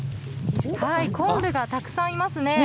昆布がたくさんいますね。